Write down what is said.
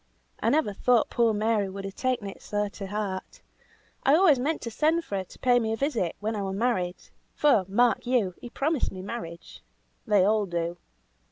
I never thought poor Mary would have taken it so to heart! I always meant to send for her to pay me a visit when I was married; for, mark you! he promised me marriage. They all do.